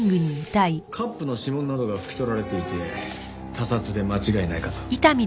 カップの指紋などが拭き取られていて他殺で間違いないかと。